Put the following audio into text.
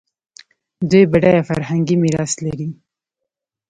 دوی بډایه فرهنګي میراث لري.